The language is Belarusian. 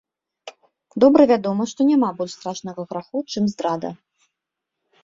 Добра вядома, што няма больш страшнага граху, чым здрада.